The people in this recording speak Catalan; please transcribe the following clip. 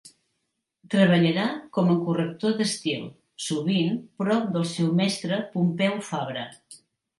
Treballarà com a corrector d'estil, sovint prop del seu mestre Pompeu Fabra.